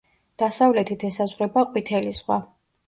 დასავლეთით ესაზღვრება ყვითელი ზღვა.